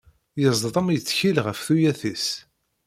Yeẓḍem yettkel ɣef tuyat-is!